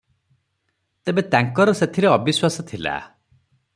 ତେବେ ତାଙ୍କର ସେଥିରେ ଅବିଶ୍ୱାସ ଥିଲା ।